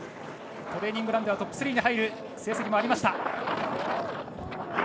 トレーニングランではトップ３に入る成績もありました。